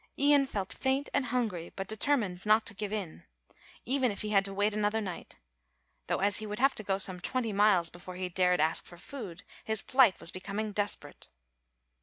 Ian felt faint and hungry, but determined not to give in, even if he had to wait another night, though as he would have to go some twenty miles before he dared ask for food, his plight was becoming desperate.